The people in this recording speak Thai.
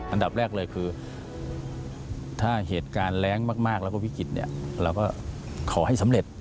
อันดับแรกเลยคือถ้าเหตุการณ์แรงมากแล้วก็วิกฤตเนี่ยเราก็ขอให้สำเร็จ